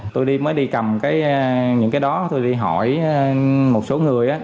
tôi mới đi cầm những cái đó tôi đi hỏi một số người